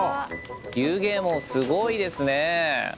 湯気もすごいですね。